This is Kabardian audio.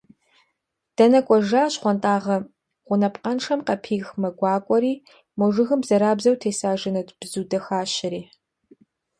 Дэнэ кӏуэжа щхъуантӏагъэ гъунапкъэншэм къапих мэ гуакӏуэри, мо жыгым бзэрабзэу теса жэнэт бзу дахащэри…